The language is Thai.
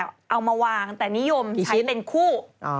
เอามาวางแต่นิยมใช้เป็นคู่